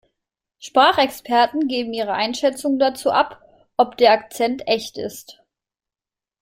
Sprachexperten geben ihre Einschätzung dazu ab, ob der Akzent echt ist.